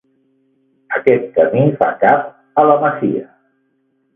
Aquest camí fa cap a la masia.